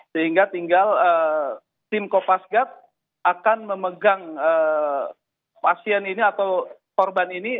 sehingga tinggal tim kopasgat akan memegang pasien ini atau korban ini